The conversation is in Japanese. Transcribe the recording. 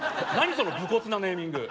その武骨なネーミング。